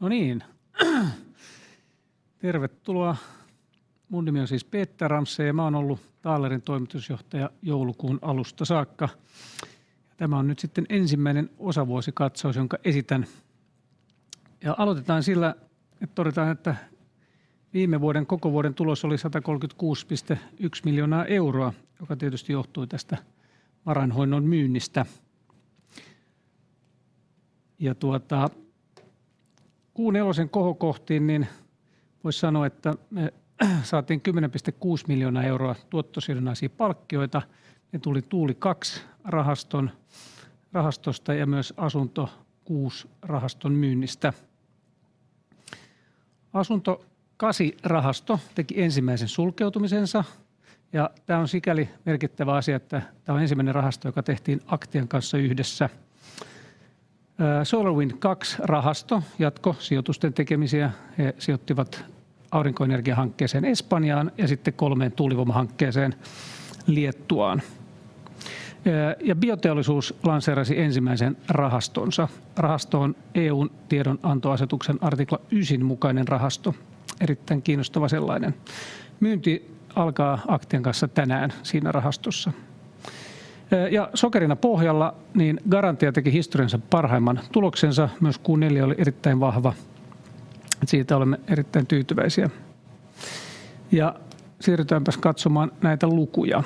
No niin. Tervetuloa! Mun nimi on siis Peter Ramsay ja mä oon ollu Taalerin toimitusjohtaja joulukuun alusta saakka. Tämä on nyt sitten ensimmäinen osavuosikatsaus, jonka esitän. Ja alotetaan sillä, että todetaan, että viime vuoden koko vuoden tulos oli EUR 136.1 million, joka tietysti johtui tästä varainhoidon myynnistä. Ja tuota Q4 kohokohtiin niin vois sanoa, että me saatiin EUR 10.6 million tuottosidonnaisia palkkioita. Ne tuli Taaleri Tuulitehdas II rahastosta ja myös Taaleri Asuntorahasto VI rahaston myynnistä. Taaleri Asuntorahasto VIII rahasto teki ensimmäisen sulkeutumisensa ja tää on sikäli merkittävä asia, että tää on ensimmäinen rahasto, joka tehtiin Aktian kanssa yhdessä. Taaleri SolarWind II rahasto jatko sijoitusten tekemisiä. He sijoittivat aurinkoenergiahankkeeseen Espanjaan ja sitten kolmeen tuulivoimahankkeeseen Liettuaan. Ja bioteollisuus lanseerasi ensimmäisen rahastonsa. Rahasto on EU:n tiedonantoasetus, artikla 9 mukainen rahasto. Erittäin kiinnostava sellainen. Myynti alkaa Aktian kanssa tänään siinä rahastossa. Sokerina pohjalla niin Garantia teki historiansa parhaimman tuloksensa. Myös Q4 oli erittäin vahva. Siitä olemme erittäin tyytyväisiä. Siirrytäänpäs katsomaan näitä lukuja.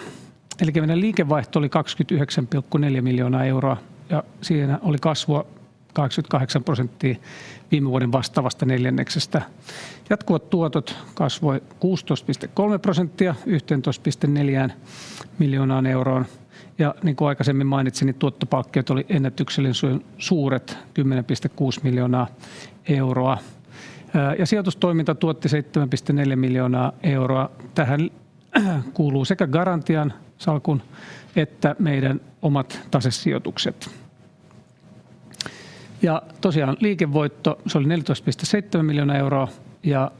Elikkä meidän liikevaihto oli EUR 29.4 miljoonaa euroa ja siinä oli kasvua 28% viime vuoden vastaavasta neljänneksestä. Jatkuvat tuotot kasvoi 16.3% EUR 11.4 miljoonaan euroon. Niin kuin aikaisemmin mainitsin, tuottopalkkiot oli ennätyksellisen suuret EUR 10.6 miljoonaa euroa ja sijoitustoiminta tuotti EUR 7.4 miljoonaa euroa. Tähän kuuluu sekä Garantian salkun että meidän omat tasesijoitukset. Tosiaan liikevoitto. Se oli EUR 14.7 miljoonaa euroa ja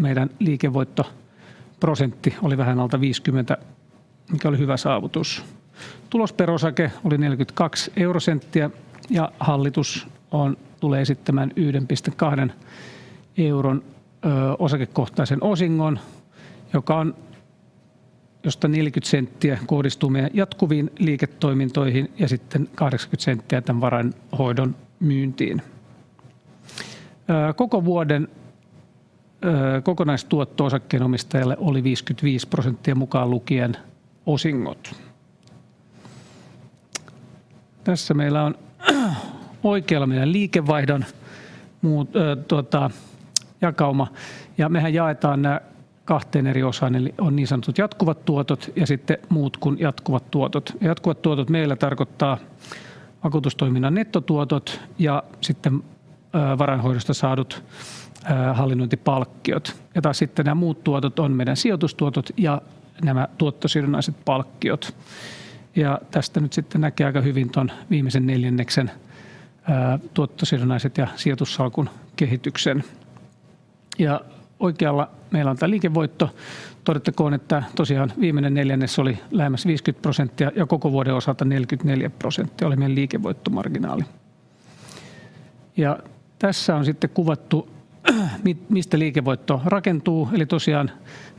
meidän liikevoittoprosentti oli vähän alta 50%, mikä oli hyvä saavutus. Tulos per osake oli EUR 0.42 ja hallitus tulee esittämään EUR 1.20 osakekohtaisen osingon, josta 0.40 kohdistuu meidän jatkuviin liiketoimintoihin ja sitten 0.80 tämän varainhoidon myyntiin. Koko vuoden kokonaistuotto osakkeenomistajalle oli 55% mukaan lukien osingot. Tässä meillä on oikealla meidän liikevaihdon muut jakauma. Mehän jaetaan nää kahteen eri osaan. Eli on niin sanotut jatkuvat tuotot ja sitten muut kuin jatkuvat tuotot. Jatkuvat tuotot meillä tarkoittaa vakuutustoiminnan nettotuotot ja sitten varainhoidosta saadut hallinnointipalkkiot. Taas sitten nää muut tuotot on meidän sijoitustuotot ja nämä tuottosidonnaiset palkkiot. Tästä nyt sitten näkee aika hyvin ton viimeisen neljänneksen tuottosidonnaiset ja sijoitussalkun kehityksen. Oikealla meillä on tää liikevoitto. Todettakoon, että tosiaan viimeinen neljännes oli lähemmäs 50% ja koko vuoden osalta 44% oli meidän liikevoittomarginaali. Tässä on sitten kuvattu mistä liikevoitto rakentuu. Eli tosiaan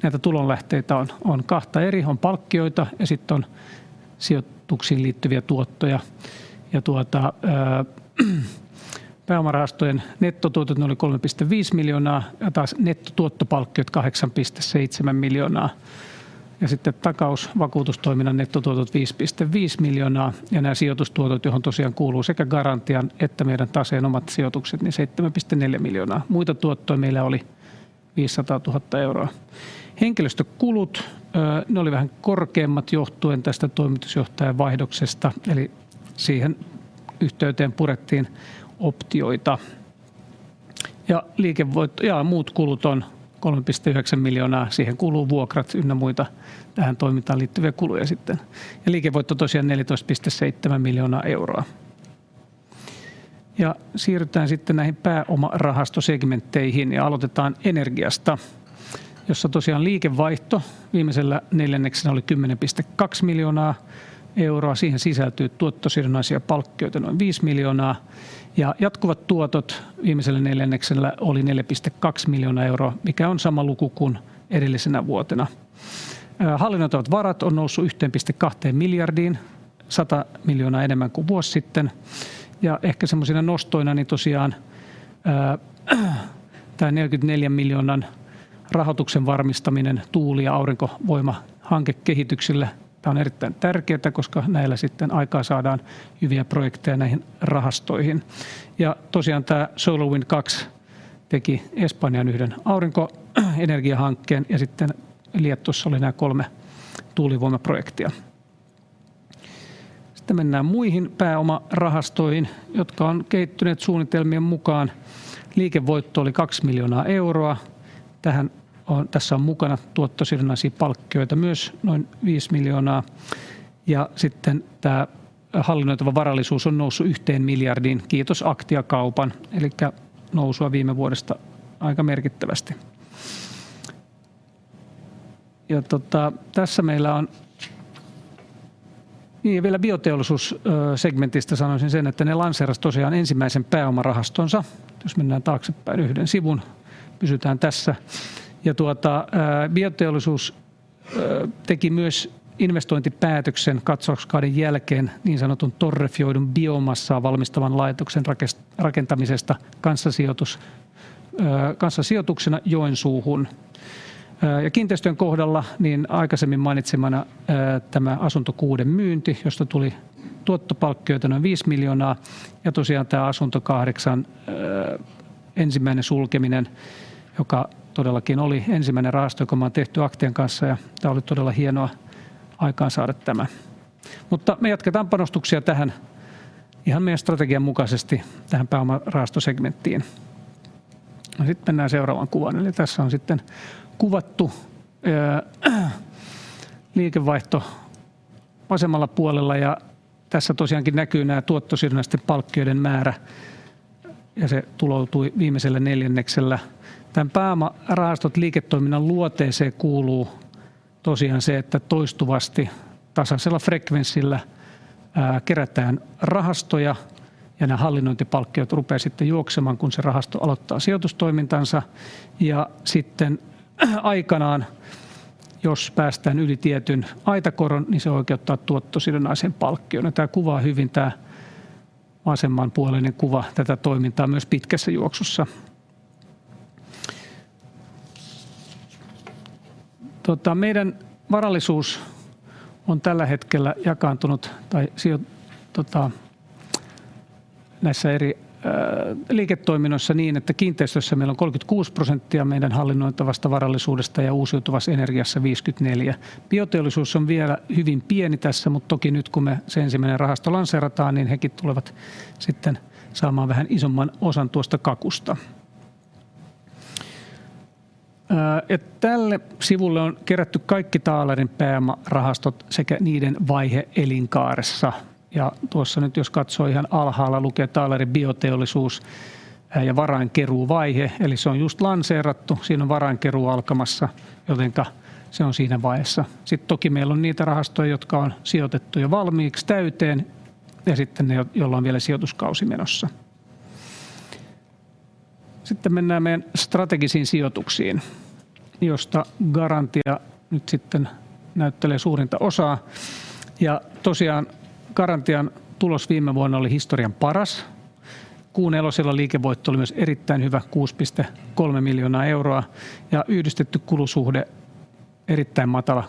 näitä tulonlähteitä on kahta eri. Palkkioita ja sijoituksiin liittyviä tuottoja ja pääomarahastojen nettotuotot ne oli EUR 3.5 million ja nettotuottopalkkiot kahdeksan piste seitsemän miljoonaa ja takausvakuutustoiminnan nettotuotot 5.5 miljoonaa. Nää sijoitustuotot, johon tosiaan kuuluu sekä Garantian että meidän taseen omat sijoitukset niin seitsemän piste neljä miljoonaa. Muita tuottoja meillä oli EUR 500,000. Henkilöstökulut ne oli vähän korkeammat johtuen tästä toimitusjohtajavaihdoksesta. Eli siihen yhteyteen purettiin optioita. Liikekulut on EUR 3.9 million. Siihen kuuluu vuokrat ynnä muita tähän toimintaan liittyviä kuluja. Liikevoitto tosiaan EUR 14.7 million. Siirrytään näihin pääomarahastosegmentteihin ja aloitetaan energiasta, jossa tosiaan liikevaihto viimeisellä neljänneksellä oli EUR 10.2 million. Siihen sisältyy tuottosidonnaisia palkkioita noin EUR 5 million ja jatkuvat tuotot viimeisellä neljänneksellä oli EUR 4.2 million, mikä on sama luku kuin edellisenä vuotena. Hallinnoitavat varat on noussut EUR 1.2 miljardiin, EUR 100 miljoonaa enemmän kuin vuosi sitten. Ehkä semmosina nostoina niin tosiaan tämä 44 miljoonan rahoituksen varmistaminen tuuli- ja aurinkovoimahankekehityksille. Tämä on erittäin tärkeää, koska näillä sitten aikaan saadaan hyviä projekteja näihin rahastoihin. Tosiaan tämä SolarWind II teki Espanjaan yhden aurinkoenergiahankkeen ja sitten Liettuassa oli nää kolme tuulivoimaprojektia. Mennään muihin pääomarahastoihin, jotka on kehittyneet suunnitelmien mukaan. Liikevoitto oli EUR 2 miljoonaa. Tähän on mukana tuottosidonnaisia palkkioita myös noin EUR 5 miljoonaa. Sitten tämä hallinnoitava varallisuus on noussut EUR 1 miljardiin. Kiitos Aktia-kaupan elikkä nousua viime vuodesta aika merkittävästi. Tässä meillä on. Vielä bioteollisuussegmentistä sanoisin sen, että ne lanseeraa tosiaan ensimmäisen pääomarahastonsa. Jos mennään taaksepäin yhden sivun, pysytään tässä. Bioteollisuus teki myös investointipäätöksen katsauskauden jälkeen niin sanotun torrefioidun biomassaa valmistavan laitoksen rakentamisesta kanssasijoituksena Joensuuhun. Kiinteistöjen kohdalla niin aikaisemmin mainitsemani tämä Asunto 6 myynti, josta tuli tuottosidonnaisia palkkioita noin EUR 5 miljoonaa. Tosiaan tämä Asunto 8 ensimmäinen sulkeminen, joka todellakin oli ensimmäinen rahasto, joka on tehty Aktian kanssa ja tämä oli todella hienoa aikaansaada tämä, mutta me jatketaan panostuksia tähän ihan meidän strategian mukaisesti tähän pääomarahastosegmenttiin. Mennään seuraavaan kuvaan. Tässä on sitten kuvattu liikevaihto vasemmalla puolella ja tässä tosiaankin näkyy nämä tuottosidonnaisten palkkioiden määrä ja se tuloutui viimeisellä neljänneksellä. Tämän pääomarahastot liiketoiminnan luonteeseen kuuluu tosiaan se, että toistuvasti tasaisella frekvenssillä kerätään rahastoja ja nämä hallinnointipalkkiot rupeaa sitten juoksemaan, kun se rahasto aloittaa sijoitustoimintansa. Aikanaan jos päästään yli tietyn aitakoron, niin se oikeuttaa tuottosidonnaiseen palkkioon. Tämä kuvaa hyvin tämä vasemmanpuoleinen kuva tätä toimintaa myös pitkässä juoksussa. Meidän varallisuus on tällä hetkellä jakaantunut näissä eri liiketoiminnoissa niin että kiinteistöissä meillä on 36% meidän hallinnoitavasta varallisuudesta ja uusiutuvassa energiassa 54%. Bioteollisuus on vielä hyvin pieni tässä, mutta toki nyt kun me se ensimmäinen rahasto lanseerataan, niin hekin tulevat sitten saamaan vähän isomman osan tuosta kakusta. Tälle sivulle on kerätty kaikki Taaleri pääomarahastot sekä niiden vaihe elinkaaressa. Tuossa nyt jos katsoo ihan alhaalla lukee Taaleri Bioteollisuus ja varainkeruuvaihe. Eli se on just lanseerattu. Siinä on varainkeruu alkamassa, joten se on siinä vaiheessa. Toki meillä on niitä rahastoja, jotka on sijoitettu jo valmiiksi täyteen ja sitten ne, joilla on vielä sijoituskausi menossa. Mennään meidän strategisiin sijoituksiin, joista Garantia nyt sitten näyttelee suurinta osaa. Tosiaan Garantian tulos viime vuonna oli historian paras. Q4:lla liikevoitto oli myös erittäin hyvä EUR 6.3 miljoonaa ja yhdistetty kulusuhde erittäin matala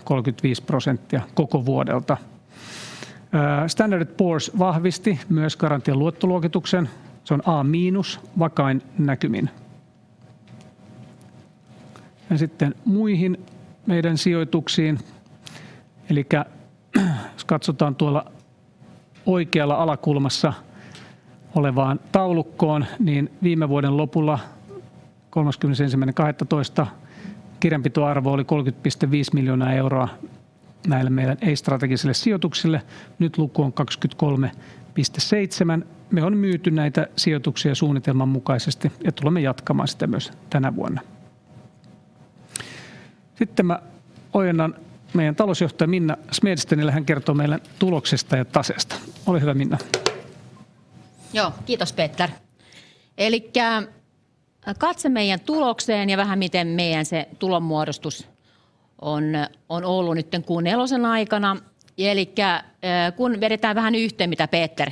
35% koko vuodelta. Standard & Poor's vahvisti myös Garantian luottoluokituksen. Se on A- vakain näkymin. Muihin meidän sijoituksiin. Elikkä jos katsotaan tuolla oikealla alakulmassa olevaan taulukkoon, niin viime vuoden lopulla 31.12. kirjanpitoarvo oli 30.5 miljoonaa euroa näille meidän ei strategisille sijoituksille. Nyt luku on 23.7. Me on myyty näitä sijoituksia suunnitelman mukaisesti ja tulemme jatkamaan sitä myös tänä vuonna. Mä ojennan meidän Talousjohtaja Minna Smedstenin, niin hän kertoo meille tuloksesta ja taseesta. Ole hyvä Minna. Joo, kiitos Peter! Elikkä katsotaan meidän tulokseen ja vähän miten meidän tulonmuodostus on ollut nyt Q4 aikana. Elikkä kun vedetään vähän yhteen mitä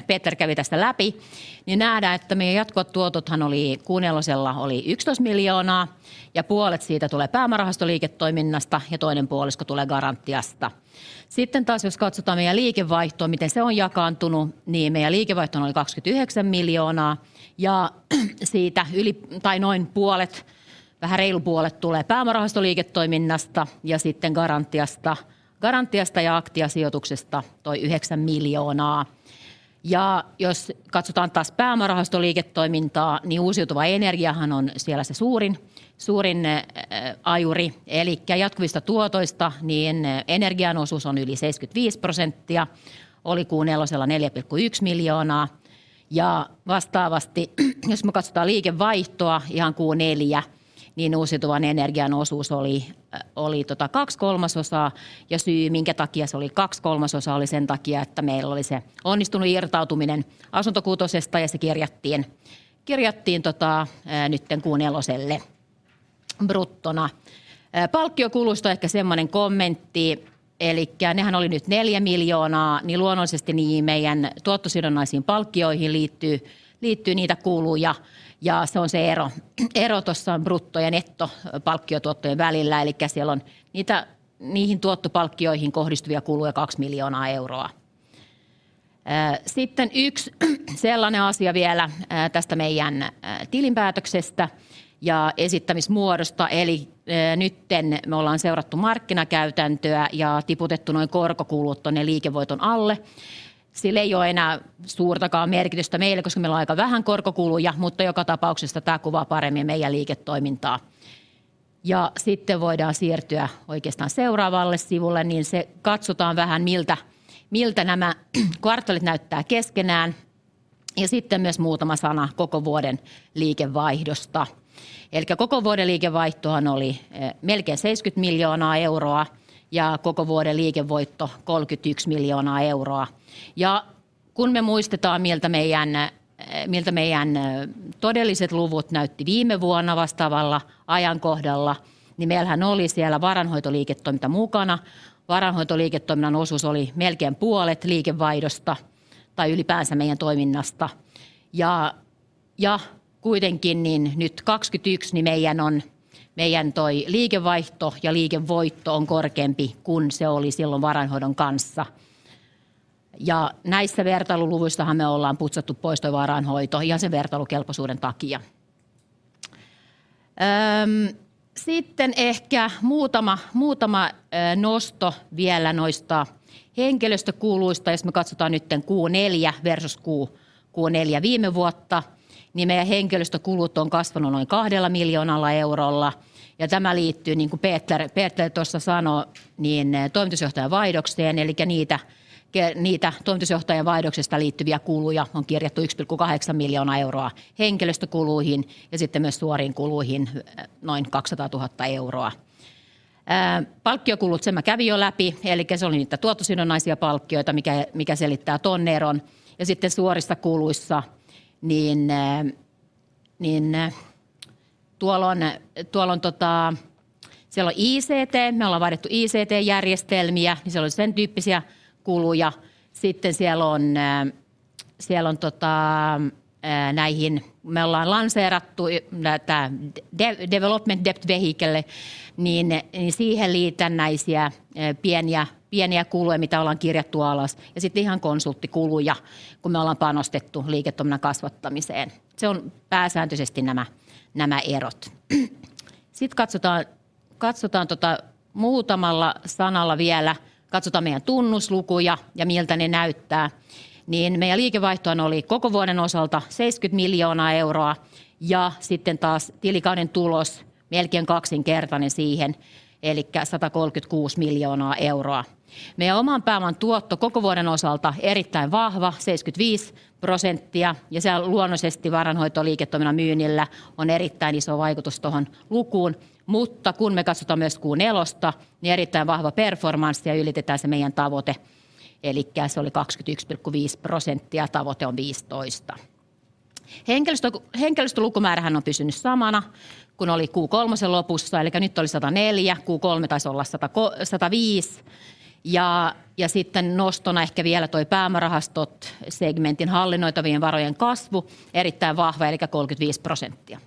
Peter kävi tästä läpi, niin nähdään, että meidän jatkotuotot oli Q4 EUR 11 miljoonaa ja puolet siitä tulee pääomarahastoliiketoiminnasta ja toinen puolisko tulee Garantiasta. Jos katsotaan meidän liikevaihtoa, miten se on jakaantunut, niin meidän liikevaihto on yli EUR 29 miljoonaa ja siitä yli tai noin puolet, vähän reilu puolet tulee pääomarahastoliiketoiminnasta ja sitten Garantiasta. Garantiasta ja Aktia-sijoituksesta toi EUR 9 miljoonaa. Jos katsotaan taas pääomarahastoliiketoimintaa, niin uusiutuva energia on siellä se suurin ajuri. Elikkä jatkuvista tuotoista energian osuus on yli 75% oli Q4 EUR 4.1 miljoonaa. Vastaavasti jos katsotaan liikevaihtoa ihan Q4, niin uusiutuvan energian osuus oli 2/3. Syy minkä takia se oli kaksi kolmasosaa oli sen takia, että meillä oli se onnistunut irtautuminen Asuntorahasto VI:sta ja se kirjattiin nyt Q4:lle bruttona. Palkkiokuluista ehkä sellainen kommentti. Nehän oli nyt EUR 4 million, niin luonnollisesti niihin meidän tuottosidonnaisiin palkkioihin liittyy niitä kuluja. Se on se ero tuossa on brutto ja netto palkkiotuottojen välillä. Siellä on niitä niihin tuottopalkkioihin kohdistuvia kuluja EUR 2 million. Sitten yksi sellainen asia vielä tästä meidän tilinpäätöksestä ja esittämismuodosta. Nyt me ollaan seurattu markkinakäytäntöä ja tiputettu noi korkokulut tuonne liikevoiton alle. Sillä ei ole enää suurtakaan merkitystä meille, koska meillä on aika vähän korkokuluja, mutta joka tapauksessa tämä kuvaa paremmin meidän liiketoimintaa. Sitten voidaan siirtyä oikeastaan seuraavalle sivulle, niin se katsotaan vähän miltä nämä kvartaalit näyttää keskenään. Sitten myös muutama sana koko vuoden liikevaihdosta. Elikkä koko vuoden liikevaihtohan oli melkein EUR 70 miljoonaa euroa ja koko vuoden liikevoitto EUR 30 miljoonaa euroa. Kun me muistetaan miltä meidän todelliset luvut näytti viime vuonna vastaavalla ajankohdalla, niin meillähän oli siellä varainhoitoliiketoiminta mukana. Varainhoitoliiketoiminnan osuus oli melkein puolet liikevaihdosta tai ylipäänsä meidän toiminnasta. Ja kuitenkin niin nyt 2022 niin meidän liikevaihto ja liikevoitto on korkeampi kun se oli sillon varainhoidon kanssa. Näissä vertailuluvuissahan me ollaan putsattu pois se varainhoito ihan sen vertailukelpoisuuden takia. Sitten ehkä muutama nosto vielä noista henkilöstökuluista. Jos me katsotaan nyt Q4 versus Q4 viime vuotta, niin meidän henkilöstökulut on kasvanut noin 2 miljoonalla eurolla. Tämä liittyy niin kuin Peter tuossa sanoo, toimitusjohtajavaihdokseen, elikkä niitä toimitusjohtajan vaihdoksesta liittyviä kuluja on kirjattu 1.8 miljoonaa euroa henkilöstökuluihin ja sitten myös suoriin kuluihin noin EUR 200,000. Palkkiokulut sen mä kävin jo läpi, elikkä se oli niitä tuottosidonnaisia palkkioita, mikä selittää ton eron. Sitten suorissa kuluissa niin tuol on tota. Siellä on ICT. Me ollaan vaihdettu ICT-järjestelmiä, niin siellä oli sen tyyppisiä kuluja. Siel on tota näihin me ollaan lanseerattu tää development debt vehicle, niin siihen liittyviä pieniä kuluja mitä ollaan kirjattu alas ja sitten ihan konsulttikuluja kun me ollaan panostettu liiketoiminnan kasvattamiseen. Se on pääsääntöisesti nämä erot. Sit katsotaan tota muutamalla sanalla vielä katsotaan meidän tunnuslukuja ja miltä ne näyttää. Meidän liikevaihtohan oli koko vuoden osalta EUR 70 million ja sitten taas tilikauden tulos melkein kaksinkertainen siihen elikkä EUR 103 million. Meidän oman pääoman tuotto koko vuoden osalta erittäin vahva 75%, ja siellä luonnollisesti varainhoitoliiketoiminnan myynnillä on erittäin iso vaikutus tohon lukuun. Kun me katsotaan myös Q4:sta, niin erittäin vahva performanssi ja ylitetään se meidän tavoite. Elikkä se oli 25.5%, tavoite on 15%. Henkilöstö henkilöstölukumäärä on pysynyt samana kuin oli Q3:n lopussa, elikkä nyt oli 104. Q3 tais olla sata viisi. Sitten nostona ehkä vielä tuo pääomarahastojen segmentin hallinnoitavien varojen kasvu. Erittäin vahva, elikkä 35%.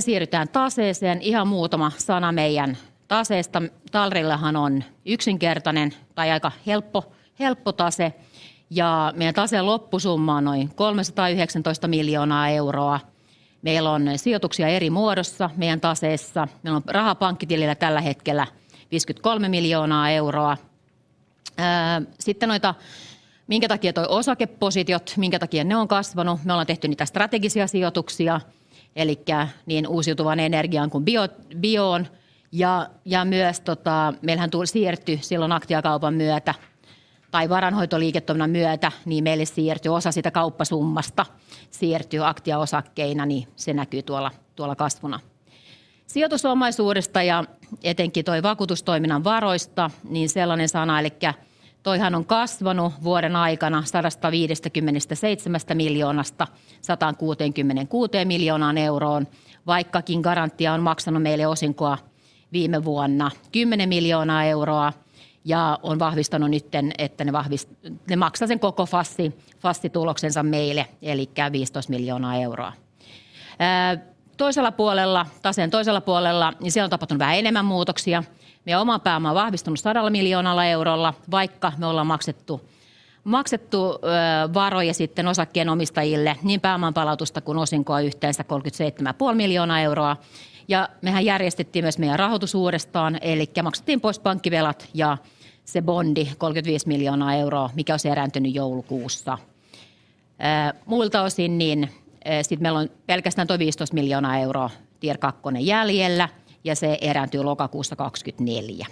Siirrytään taseeseen. Ihan muutama sana meidän taseesta. Taaleri:lla on yksinkertainen tai aika helppo tase ja meidän taseen loppusumma on noin EUR 319 million. Meillä on sijoituksia eri muodossa meidän taseessa. Meillä on rahaa pankkitilillä tällä hetkellä EUR 53 million. Sitten noita, minkä takia nuo osakepositio? Minkä takia ne on kasvanut? Me ollaan tehty niitä strategisia sijoituksia elikkä uusiutuvaan energiaan kun bioon ja myös tota meillähän siirtyi sillon Aktia-kaupan myötä tai varainhoitoliiketoiminnan myötä niin meille siirtyi osa siitä kauppasummasta siirtyy Aktian osakkeina, niin se näkyy tuolla kasvuna. Sijoitusomaisuudesta ja etenkin tuo vakuutustoiminnan varoista niin sellainen kasvu. Elikkä toiminta on kasvanut vuoden aikana EUR 157 miljoonasta EUR 166 miljoonaan. Vaikkakin Garantia on maksanut meille osinkoa viime vuonna EUR 10 miljoonaa ja on vahvistanut nyt että ne maksaa sen koko FAS tuloksensa meille elikkä EUR 15 miljoonaa. Toisella puolella taseella niin siellä on tapahtunut vähän enemmän muutoksia. Meidän oma pääoma on vahvistunut sadalla miljoonalla eurolla, vaikka me ollaan maksettu varoja sitten osakkeenomistajille niin pääoman palautusta kun osinkoa yhteensä EUR 37.5 miljoonaa. Me järjestettiin myös meidän rahoitus uudestaan eli maksettiin pois pankkivelat ja se bondi EUR 35 million, mikä olisi erääntynyt joulukuussa. Muilta osin niin sitten meillä on pelkästään tuo EUR 15 million Tier 2 jäljellä ja se erääntyy lokakuussa 2024.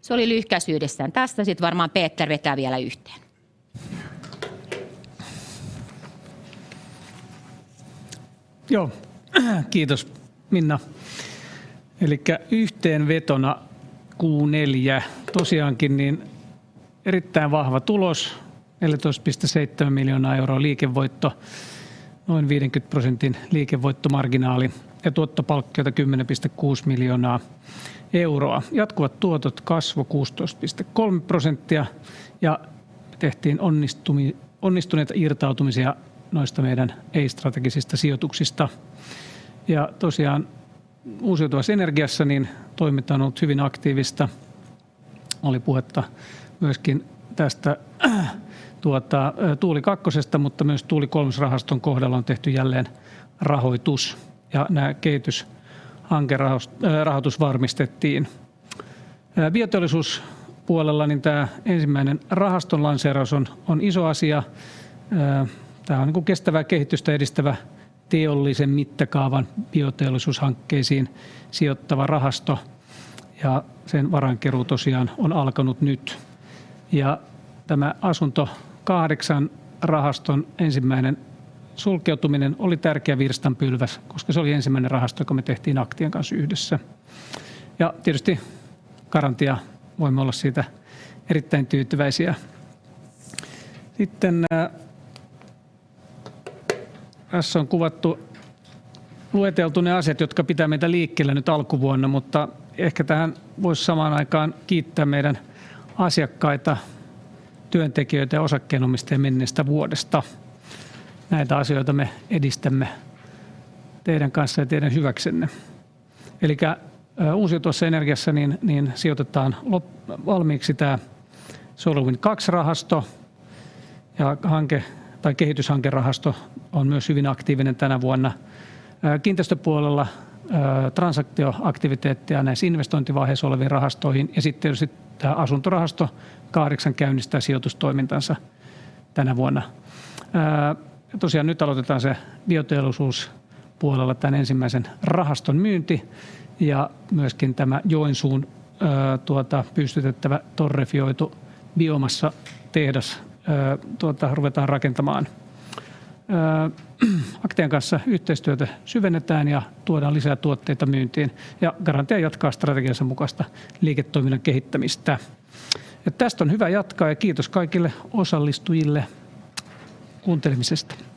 Se oli lyhykäisyydessään tässä. Sitten varmaan Peter vetää vielä yhteen. Joo, kiitos Minna. Elikkä yhteenvetona Q4. Tosiaankin niin erittäin vahva tulos EUR 14.7 million, liikevoitto noin 50% liikevoittomarginaali ja tuottopalkkioita EUR 10.6 million. Jatkuvat tuotot kasvu 16.3% ja tehtiin onnistuneita irtautumisia noista meidän ei strategisista sijoituksista. Tosiaan uusiutuvassa energiassa niin toiminta on ollut hyvin aktiivista. Oli puhetta myöskin tästä tuota Tuulitehdas II:sta, mutta myös Tuulitehdas III rahaston kohdalla on tehty jälleenrahoitus ja nää kehityshankerahasto rahoitus varmistettiin. Teollisuuspuolella niin tää ensimmäinen rahaston lanseeraus on iso asia. Tää on niinku kestävää kehitystä edistävä teollisen mittakaavan bioteollisuushankkeisiin sijottava rahasto, ja sen varainkeruu tosiaan on alkanut nyt. Tämä Asuntorahasto VIII rahaston ensimmäinen sulkeutuminen oli tärkeä virstanpylväs, koska se oli ensimmäinen rahasto, joka me tehtiin Aktian kanssa yhdessä. Tietysti Garantia voimme olla siitä erittäin tyytyväisiä. Sitten nää. Tässä on kuvattu lueteltu ne asiat, jotka pitää meitä liikkeellä nyt alkuvuonna. Ehkä tähän voisi samaan aikaan kiittää meidän asiakkaita, työntekijöitä ja osakkeenomistajia menneestä vuodesta. Näitä asioita me edistämme teidän kanssa ja teidän hyväksenne. Uusiutuvassa energiassa sijoitetaan loppuvalmiiksi tämä SolarWind II rahasto ja hanke tai kehityshankerahasto on myös hyvin aktiivinen tänä vuonna. Kiinteistöpuolella transaktioaktiivisuutta näissä investointivaiheessa oleviin rahastoihin. Sitten tietysti tämä Asuntorahasto VIII käynnistää sijoitustoimintansa tänä vuonna. Tosiaan nyt aloitetaan se bioteollisuuspuolella tämän ensimmäisen rahaston myynti ja myöskin tämä Joensuun pystytettävä torrefioitu biomassatehdas ruvetaan rakentamaan. Aktian kanssa yhteistyötä syvennetään ja tuodaan lisää tuotteita myyntiin ja Garantia jatkaa strategiansa mukasta liiketoiminnan kehittämistä. Tästä on hyvä jatkaa ja kiitos kaikille osallistujille kuuntelemisesta!